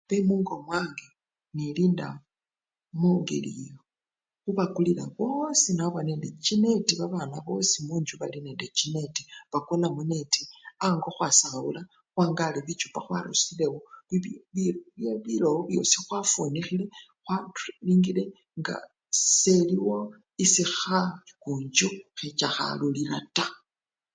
Bemungo mwange embalinda mungeli indi embakulila bosi chineti nabona indi babana bosi munjju bali nende chineti, bakona muneti, ango khwasawula, khwangale bichupa khwarusyilewo bya! bi! bilowo byosi khwafunikhile khwa kilinile nga seliwo esikhakunchu khecha khalulila taa.